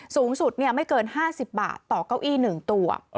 สูงสุดไม่เกิน๕๐บาทต่อเก้าอี้๑ตัว